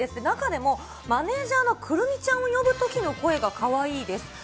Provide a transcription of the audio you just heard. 中でもマネージャーのくるみちゃんを呼ぶときの声がかわいいです。